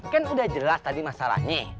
kan udah jelas tadi masalahnya